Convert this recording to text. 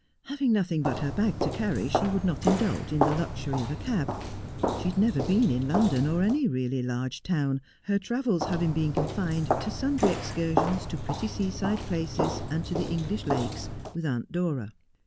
Having nothing but her bag to carry she would not indulge in the luxury of a cab. She had never been in London or any really large town, her travels having been confined to sundry excursions to pretty sea side places, and to the English lakes, with Aunt Dora.